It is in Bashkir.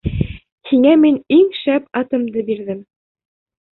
— Һиңә мин иң шәп атымды бирҙем.